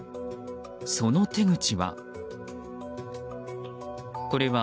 その手口は。